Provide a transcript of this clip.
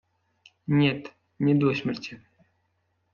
Нет, не до смерти